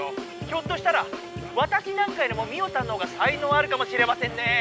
ひょっとしたらわたしなんかよりもミオさんのほうが才のうあるかもしれませんねえ」。